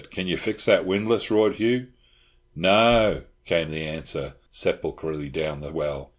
Can't you fix that windlass?" roared Hugh. "No!" came the answer sepulchrally down the well.